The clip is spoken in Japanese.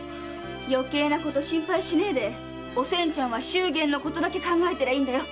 よけいなこと心配しねえでおせんちゃんは祝言のことだけ考えてりゃいいんだよ。